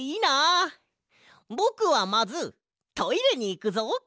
ぼくはまずトイレにいくぞ！